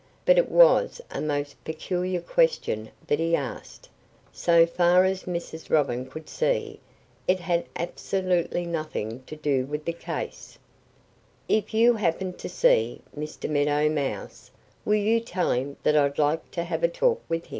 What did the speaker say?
But it was a most peculiar question that he asked; so far as Mrs. Robin could see, it had absolutely nothing to do with the case: "If you happen to see Mr. Meadow Mouse, will you tell him that I'd like to have a talk with him?"